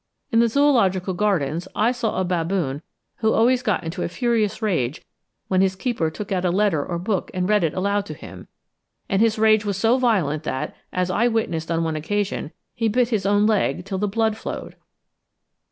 In the Zoological Gardens I saw a baboon who always got into a furious rage when his keeper took out a letter or book and read it aloud to him; and his rage was so violent that, as I witnessed on one occasion, he bit his own leg till the blood flowed.